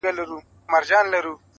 o چي نه مرو، لا به واورو٫